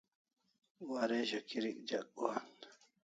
Waresho kirik dek gohan